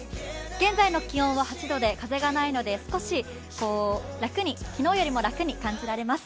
現在の気温は８度で風がないので、少し昨日よりも楽に感じられます。